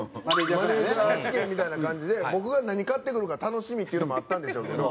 マネジャー試験みたいな感じで僕が何買ってくるか楽しみっていうのもあったんでしょうけど。